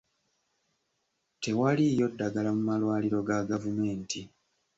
Tewaliiyo ddagala mu malwaliro ga gavumenti.